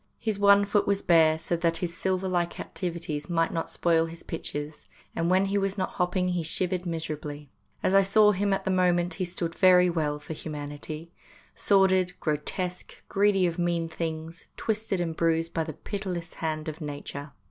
His one foot was bare so that his Silver like activities might not spoil his pictures, and when he was not hopping he shivered miserably. As I saw him at the moment he stood very well for humanity sordid, grotesque, greedy of mean things, twisted and bruised by the pitiless hand of Nature.